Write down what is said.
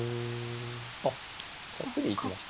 あっ角で行きました。